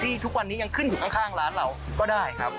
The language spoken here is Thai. ทุกวันนี้ยังขึ้นอยู่ข้างร้านเราก็ได้ครับ